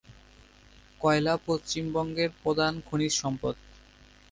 কয়লা পশ্চিমবঙ্গের প্রধান খনিজ সম্পদ।